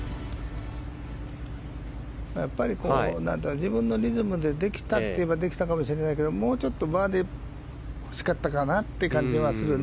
自分のリズムでできたといえばできたかもしれないけどもうちょっとバーディー欲しかったという感じがするよね。